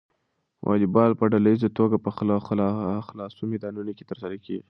واليبال په ډله ییزه توګه په خلاصو میدانونو کې ترسره کیږي.